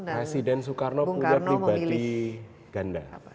presiden soekarno punya pribadi ganda